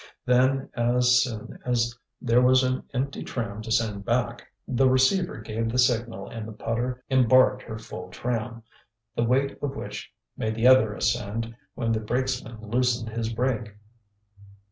Then, as soon as there was an empty tram to send back, the receiver gave the signal and the putter embarked her full tram, the weight of which made the other ascend when the brakesman loosened his brake.